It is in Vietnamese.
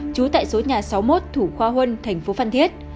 trú tại số nhà sáu mươi một thủ khoa huân tp phan thiết